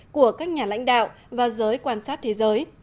của các nhà lãnh đạo và giới quan sát thế giới